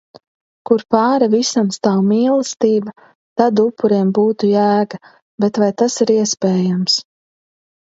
Kur pāri visam stāv mīlestība, tad upuriem būtu jēga. Bet vai tas ir iespējams?